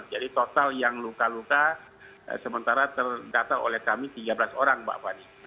jadi total yang luka luka sementara tergatal oleh kami tiga belas orang pak fani